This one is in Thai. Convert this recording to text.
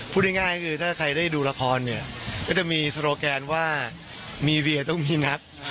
พูดง่ายคือถ้าใครได้ดูละครเนี่ยก็จะมีโซโลแกนว่ามีเวียต้องมีนัก